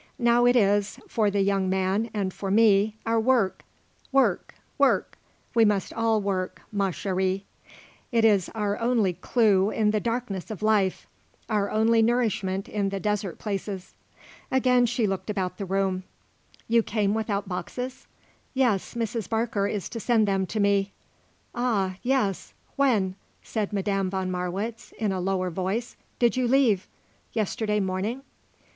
Now it is, for the young man and for me, our work. Work, work; we must all work, ma chérie. It is our only clue in the darkness of life; our only nourishment in the desert places." Again she looked about the room. "You came without boxes?" "Yes, Mrs. Barker is to send them to me." "Ah, yes. When," said Madame von Marwitz, in a lower voice, "did you leave? Yesterday morning?"